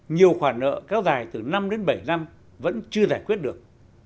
nhiều khoản nợ kéo dài từ năm đến bảy năm vẫn chưa giải quyết được